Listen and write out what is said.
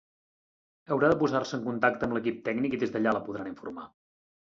Haurà de posar-se en contacte amb l'equip tècnic i des d'allà la podran informar.